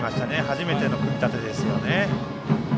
初めての組み立てですね。